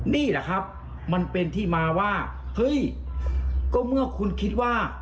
นี่แหละครับมันเป็นที่มาว่าเฮ้ยก็เมื่อคุณคิดว่า